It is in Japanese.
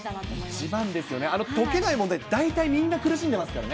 一番ですよね、解けない問題、大体、みんな苦しんでますからね。